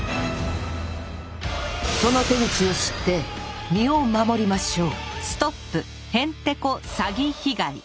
その手口を知って身を守りましょう